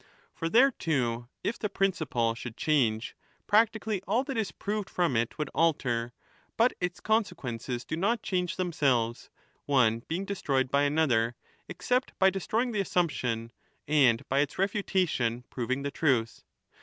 For there, too, if the principle should change, practi 25 cally all that is proved from it would alter ; but its consequences do not change themselves, one being de stroyed by another, except by destroying the assumption and, by its refutation, proving the truth.